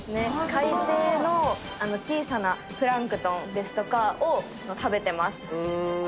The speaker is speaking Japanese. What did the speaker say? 海底の小さなプランクトンとかを食べてます。